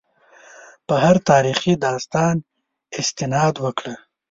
په هر تاریخي داستان استناد وکړو.